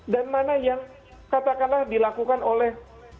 dan mana yang katakanlah dilakukan oleh